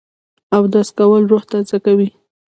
اودس کول روح تازه کوي